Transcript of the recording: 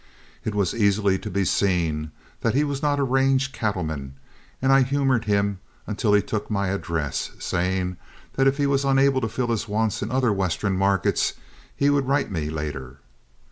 It was easily to be seen that he was not a range cattleman, and I humored him until he took my address, saying that if he were unable to fill his wants in other Western markets he would write me later.